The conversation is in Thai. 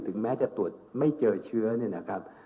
แม้จะตรวจไม่เจอเชื้อเนี่ยนะครับ